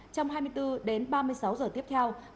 trong hai mươi bốn đến ba mươi sáu giờ tiếp theo bão di chuyển